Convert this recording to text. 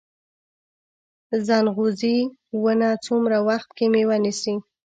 ځنغوزي ونه څومره وخت کې میوه نیسي؟